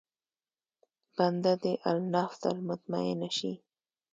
بنده دې النفس المطمئنه شي.